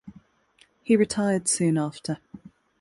He retired soon after.